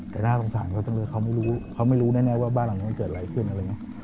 แต่หน้าสงสารเขาจังเลยเขาไม่รู้แน่ว่าบ้านหลังนั้นมันเกิดอะไรขึ้นอะไรเนี่ย